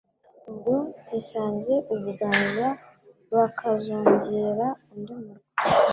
Ubwo zisanze u BuganzaBakazongera undi murwa